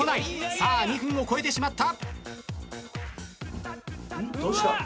さあ２分を超えてしまった。